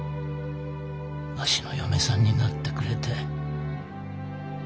わしの嫁さんになってくれて。